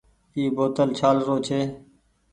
اي بوتل ڇآل رو ڇي۔